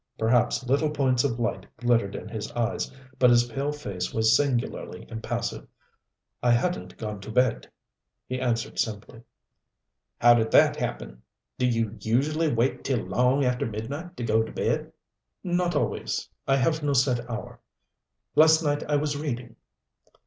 Perhaps little points of light glittered in his eyes, but his pale face was singularly impassive. "I hadn't gone to bed," he answered simply. "How did that happen? Do you usually wait till long after midnight to go to bed?" "Not always. I have no set hour. Last night I was reading."